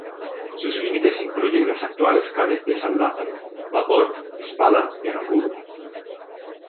Sus límites incluyen las actuales calles de San Lázaro, vapor, Espada y Aramburu.